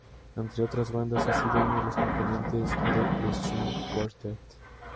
Entre otras bandas, ha sido uno de los componentes de "The String Quartet